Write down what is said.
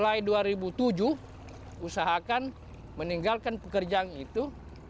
saya usahakan meninggalkan pekerjaan itu